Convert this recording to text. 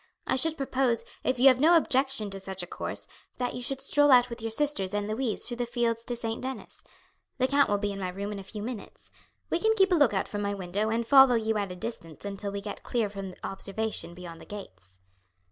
I should propose, if you have no objection to such a course, that you should stroll out with your sisters and Louise through the fields to St. Denis. The count will be in my room in a few minutes. We can keep a look out from my window and follow you at a distance until we get clear from observation beyond the gates."